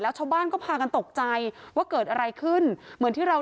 ชาวบ้านก็พากันตกใจว่าเกิดอะไรขึ้นเหมือนที่เรา